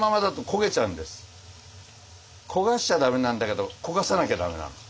焦がしちゃ駄目なんだけど焦がさなきゃ駄目なの。